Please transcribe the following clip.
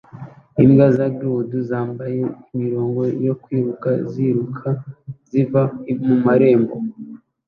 Imbwa za Greyhound zambaye imirongo yo kwiruka ziriruka ziva mumarembo